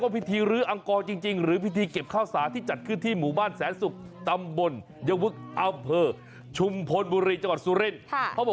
พิธีรื๋อังกอจริงหรือภิษธีเก็บข้าวสาทที่ระวังจากหุ้มสุรินทร์